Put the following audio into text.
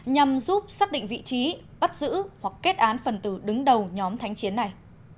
nhằm giúp xác định vị trí bắt giữ hoặc kết án phần tử đứng đầu nhóm thanh chiến này